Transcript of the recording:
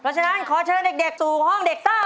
เพราะฉะนั้นขอเชิญเด็กสู่ห้องเด็กเตอร์